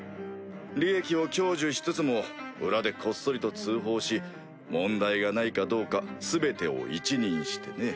利益を享受しつつも裏でこっそりと通報し問題がないかどうか全てを一任してね。